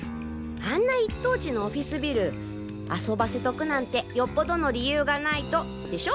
あんな一等地のオフィスビル遊ばせとくなんてよっぽどの理由がないとでしょ？